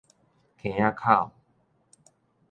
坑仔口